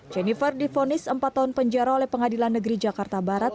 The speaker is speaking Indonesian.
jennifer difonis empat tahun penjara oleh pengadilan negeri jakarta barat